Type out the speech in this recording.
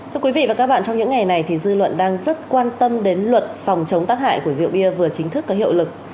thưa quý vị và các bạn trong những ngày này thì dư luận đang rất quan tâm đến luật phòng chống tác hại của rượu bia vừa chính thức có hiệu lực